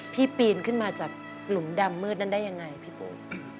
ปีนขึ้นมาจากหลุมดำมืดนั้นได้ยังไงพี่ปู